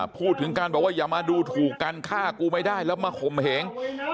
พูดถึงการบอกว่าอย่ามาดูถูกกันฆ่ากูไม่ได้แล้วมาข่มเหง